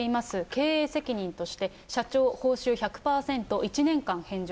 経営責任として、社長報酬１００％１年間返上。